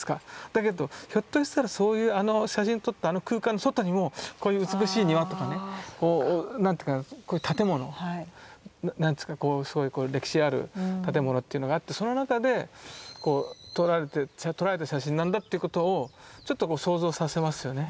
だけどひょっとしたらそういうあの写真を撮ったあの空間の外にもこういう美しい庭とかね何ていうかこういう建物すごい歴史ある建物というのがあってその中で撮られた写真なんだってことをちょっと想像させますよね。